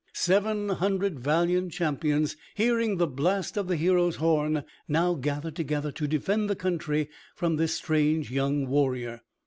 Seven hundred valiant champions, hearing the blast of the hero's horn, now gather together to defend the country from this strange young warrior.